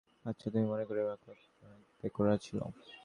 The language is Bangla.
আচ্ছা, আমি মনে করি বাক একরোখা আর বেপরোয়া ছিল।